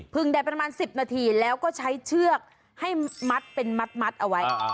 ได้ประมาณ๑๐นาทีแล้วก็ใช้เชือกให้มัดเป็นมัดเอาไว้